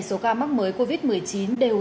số ca mắc mới covid một mươi chín đều